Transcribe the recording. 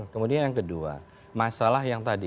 kemudian yang kedua masalah yang tadi